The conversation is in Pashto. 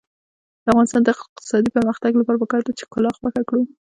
د افغانستان د اقتصادي پرمختګ لپاره پکار ده چې ښکلا خوښه کړو.